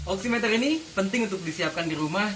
oksimeter ini penting untuk disiapkan di rumah